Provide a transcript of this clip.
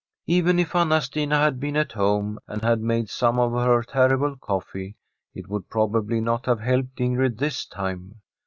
Even if Anna Stina had been at home, and had made some of her terrible coffee, it would prob ably not have helped Ingrid this time.